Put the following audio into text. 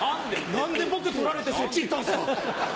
何で僕取られてそっちいったんすか？